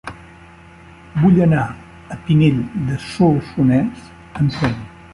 Vull anar a Pinell de Solsonès amb tren.